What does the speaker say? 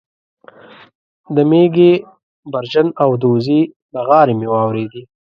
د مېږې برژن او د وزې بغارې مې واورېدې